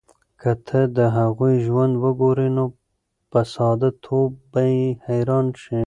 که ته د هغوی ژوند وګورې، نو په ساده توب به یې حیران شې.